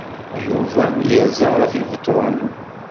Yuba yerza ɣef Ibetṛunen.